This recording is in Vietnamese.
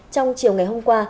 trong chiều ngày hôm qua